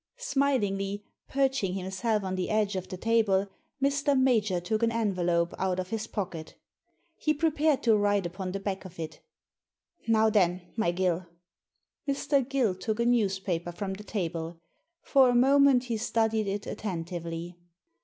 Smilingly, perching himself on the edge of the table, Mr. Major took an envelope out of his pocket He prepared to write upon the back of it " Now then, my GUI." Mr. Gill took a newspaper from the table. For a moment he studied it attentively.